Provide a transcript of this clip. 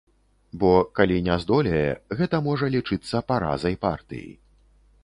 Бо, калі не здолее, гэта можа лічыцца паразай партыі.